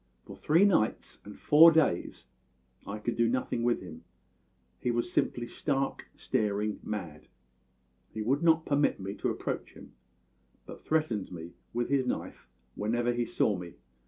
For three nights and four days I could do nothing with him; he was simply stark, staring mad; he would not permit me to approach him, but threatened me with his knife whenever he saw me.